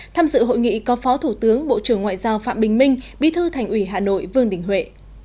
tham dự hội nghị có phó thủ tướng bộ trưởng ngoại giao phạm bình minh bí thư thành ủy hà nội vương đình huệ